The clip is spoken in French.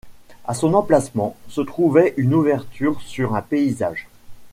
À son emplacement, se trouvait une ouverture sur un paysage.